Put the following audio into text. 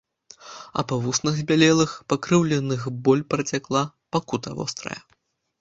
А па вуснах збялелых, пакрыўленых боль працякла, пакута вострая.